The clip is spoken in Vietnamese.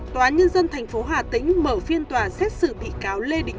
tòa nhân dân thành phố hòa tĩnh mở phiên tòa xét xử bị cướp tài sản